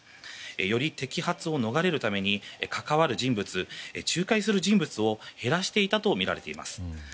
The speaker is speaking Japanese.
より摘発を逃れるために関わる人物や仲介する人物を減らしていたとみられています。